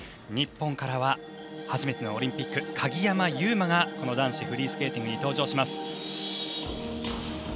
日本からは初めてのオリンピック鍵山優真が男子フリースケーティングに登場します。